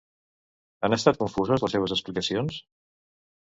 Han estat confuses les seves explicacions?